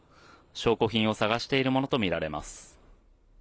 証拠品を探しているものとみられます。